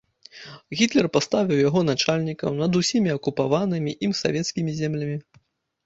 Гітлер паставіў яго начальнікам над усімі акупіраванымі ім савецкімі землямі.